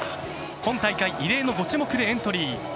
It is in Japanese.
今大会、異例の５種目でエントリー。